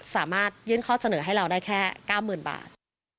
สามารถยื่นข้อเสนอให้เราได้แค่๙๐๐๐บาท